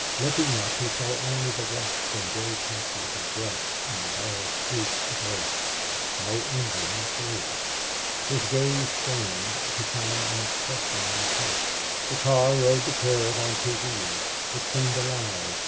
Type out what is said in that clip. Looking up, he saw only the rocks and gray patches of brush and the bare streak of earth. No Indian showed. His gaze strained to find an obstruction on the track. The car rode the curve on two wheels. It seemed alive.